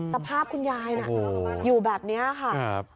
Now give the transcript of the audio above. สภาพคุณยายน่ะอยู่แบบนี้ค่ะ